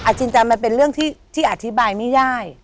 อจินตัยมันเป็นเรื่องที่อธิบายไม่ย่าย